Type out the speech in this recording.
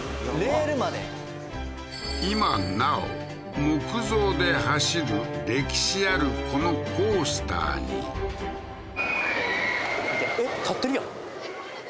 今なお木造で走る歴史あるこのコースターにえっ？